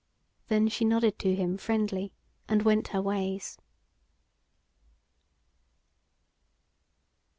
Then she nodded to him friendly and went her ways.